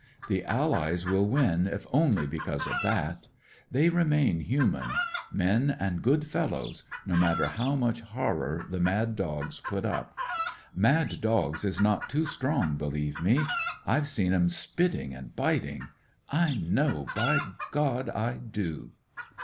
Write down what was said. The AUies will win if only because of that. They remain human — ^nen and good fellows — ^no matter how much horror the mad dogs put up. * Mad dogs ' is not too strong, believe me. I've seem 'em spitting and biting. I know — ^by God I do